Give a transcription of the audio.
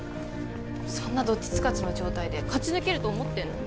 そんなどっちつかずの状態で勝ち抜けると思ってんの？